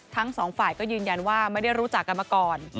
ทั้งสองฝ่ายก็ยืนยันว่าไม่ได้รู้จักกันมาก่อน